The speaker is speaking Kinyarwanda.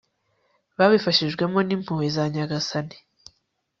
babifashijwemo n'impuhwe za nyagasani